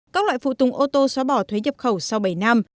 các loại phụ tùng ô tô xóa bỏ thuế nhập khẩu sau bảy năm